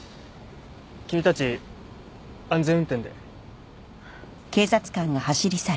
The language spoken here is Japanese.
君たち安全運転で。